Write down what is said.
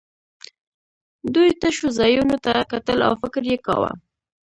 دوی تشو ځایونو ته کتل او فکر یې کاوه